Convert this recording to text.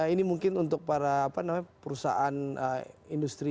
ini mungkin untuk para apa namanya perusahaan industri